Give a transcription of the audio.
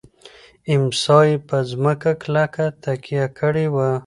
امسا یې په مځکه کلکه تکیه کړې وه.